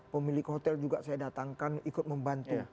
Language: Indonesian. pemilik hotel juga saya datangkan ikut membantu